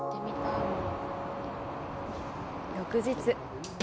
翌日。